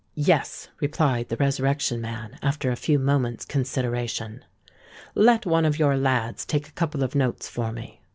"Yes," replied the Resurrection Man, after a few moments' consideration: "let one of your lads take a couple of notes for me."